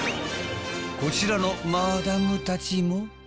こちらのマダムたちも。